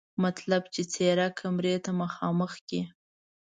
مطلب یې څېره کمرې ته مخامخ کړي.